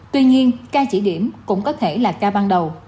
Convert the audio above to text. tuy nhiên ca chỉ điểm cũng có thể là ca ban đầu